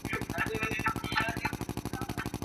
پاملرنه بې سوادي کموي.